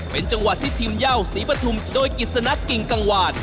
เป็นจังหวะที่ทีมเย่าศรีปฐุมโดยกิจสนักกิ่งกังวาน